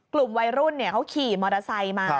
กลุ่มวัยรุ่นเขาขี่มอเตอร์ไซค์มา